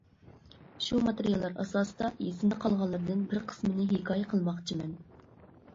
شۇ ماتېرىياللار ئاساسىدا ئېسىمدە قالغانلىرىدىن بىر قىسمىنى ھېكايە قىلماقچىمەن.